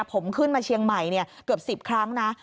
ผมขึ้นมาเชียงใหม่เกือบ๑๐ครั้งนะ